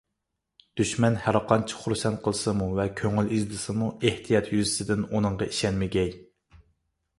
دۈشمەن ھەرقانچە خۇرسەن قىلسىمۇ ۋە كۆڭۈل ئىزدىسىمۇ، ئېھتىيات يۈزىسىدىن ئۇنىڭغا ئىشەنمىگەي.